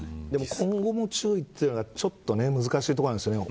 今後も注意というのがちょっと難しいところなんですよね。